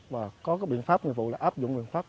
và có biện pháp nhiệm vụ là áp dụng biện pháp